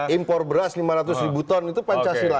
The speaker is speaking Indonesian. impor beras lima ratus ribu ton itu pancasila